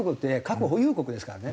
核保有国ですからね。